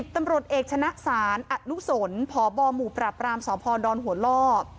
ตำรวจเอกชนะศาลอนุสนพบหมู่ปราบรามสพดหัวล่อ